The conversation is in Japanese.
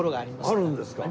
あるんですか？